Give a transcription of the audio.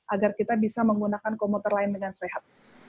agar kita bisa menggunakan komuter lain dengan sehat